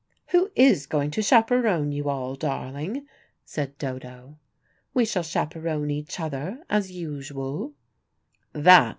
"Who is going to chaperone you all, darling?" said Dodo. "We shall chaperone each other, as usual."